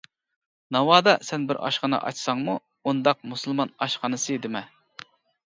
ناۋادا سەن بىر ئاشخانا ئاچساڭمۇ، ئۇنداق «مۇسۇلمان ئاشخانىسى» دېمە.